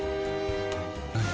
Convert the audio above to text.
何？